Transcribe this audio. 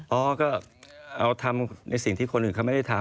อ๋อก็เอาทำในสิ่งที่คนอื่นเขาไม่ได้ทำ